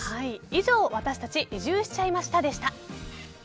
以上、私たち移住しちゃいました！でした。